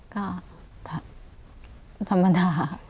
ก็ธรรมดา